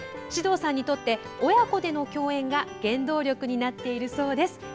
獅童さんにとって親子での共演が原動力になっているそうです。